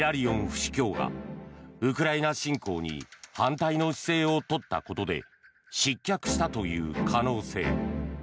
府主教がウクライナ侵攻に反対の姿勢を取ったことで失脚したという可能性。